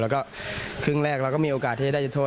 แล้วก็ครึ่งแรกเราก็มีโอกาสที่ได้จุดโทษ